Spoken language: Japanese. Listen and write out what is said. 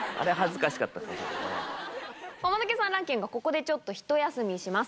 おマヌケさんランキングはここでちょっとひと休みします。